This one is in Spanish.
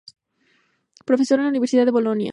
Profesor en la Universidad de Bolonia.